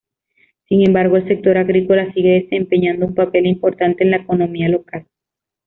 Sin embargo, el sector agrícola sigue desempeñando un papel importante en la economía local.